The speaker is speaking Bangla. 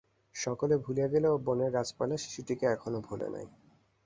সকলে ভুলিয়া গেলেও বনের গাছপালা শিশুটিকে এখনও ভোলে নাই।